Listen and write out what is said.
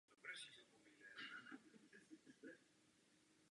Stuttgart se stal sedmou německou destinací této britské společnosti.